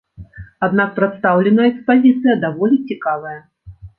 Аднак прадстаўленая экспазіцыя даволі цікавая.